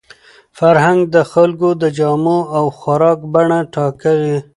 فرهنګ د خلکو د جامو او خوراک بڼه ټاکي.